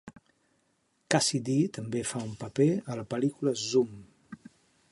Cassidy també fa un paper a la pel·lícula "Zoom".